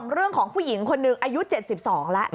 เรื่องของผู้หญิงคนหนึ่งอายุ๗๒แล้ว